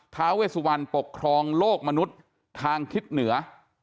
ท้าเวสุวรรณปกครองโลกมนุษย์ทางทิศเหนือ